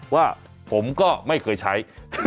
ว่าผมก็ไม่เคยใช้